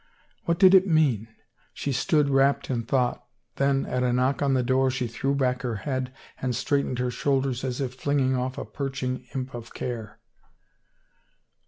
What did it mean ?... She stood wrapped in thought, then at a knock on the door she threw back her head and straightened her shoulders as if flinging off a perch ing imp of care.